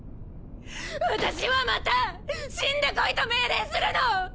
私はまた「死んでこい」と命令するの！